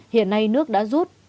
hiện nay nước đã rút